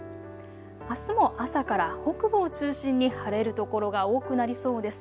あすも朝から北部を中心に晴れる所が多くなりそうです。